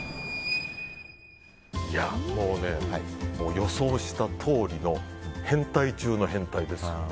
もうね、予想したとおりの変態中の変態ですよ。